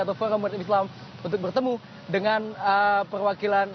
atau forum umat islam untuk bertemu dengan perwakilan